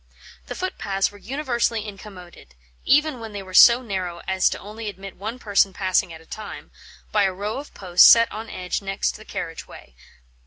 The footpaths were universally incommoded even when they were so narrow as only to admit one person passing at a time by a row of posts set on edge next the carriage way.